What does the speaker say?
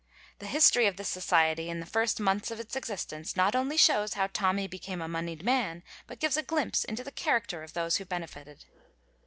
The history of this society in the first months of its existence not only shows how Tommy became a moneyed man, but gives a glimpse into the character of those it benefited.